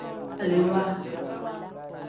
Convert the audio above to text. Alewaa.